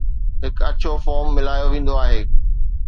هڪ اڇو فوم ملايو ويندو آهي